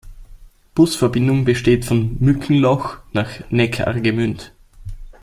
Busverbindung besteht von Mückenloch nach Neckargemünd.